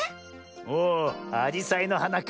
おおアジサイのはなか。